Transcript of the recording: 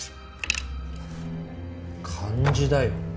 漢字だよ。